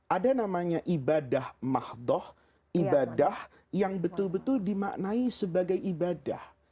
ada namanya ibadah mahdoh ibadah yang betul betul dimaknai sebagai ibadah